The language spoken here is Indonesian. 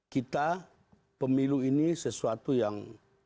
kita pemilu ini sesuatu yang